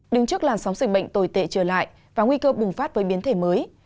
đứng trước làn sóng dịch bệnh tồi tệ trở lại và nguy cơ bùng phát với biến thể mới